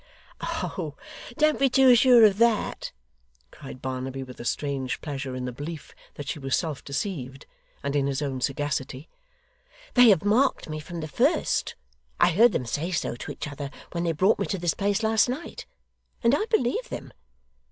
'Oh! Don't be too sure of that,' cried Barnaby, with a strange pleasure in the belief that she was self deceived, and in his own sagacity. 'They have marked me from the first. I heard them say so to each other when they brought me to this place last night; and I believe them.